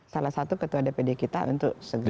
salah satu ketua dpd kita untuk segera